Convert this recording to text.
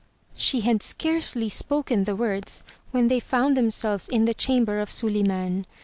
She had scarcely spoken the words, when they found them selves in the chamber of Suliman.